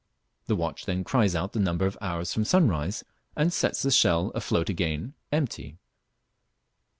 The watch then cries out the number of hours from sunrise and sets the shell afloat again empty.